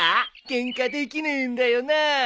ケンカできねえんだよなー。